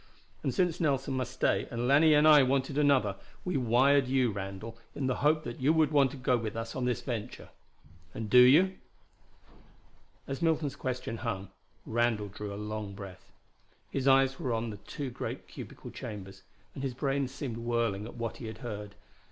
And since Nelson must stay, and Lanier and I wanted another, we wired you, Randall, in the hope that you would want to go with us on this venture. And do you?" As Milton's question hung, Randall drew a long breath. His eyes were on the two great cubical chambers, and his brain seemed whirling at what he had heard.